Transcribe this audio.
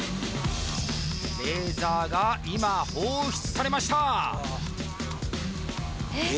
レーザーが今放出されましたえっ